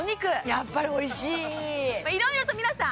やっぱりおいしいいろいろと皆さん